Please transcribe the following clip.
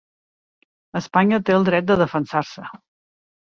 Espanya té el dret de defensar-se